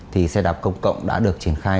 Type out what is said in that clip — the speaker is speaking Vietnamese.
thì xe đạp công cộng đã được triển khai